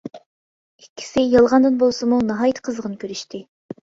ئىككىسى يالغاندىن بولسىمۇ ناھايىتى قىزغىن كۆرۈشتى.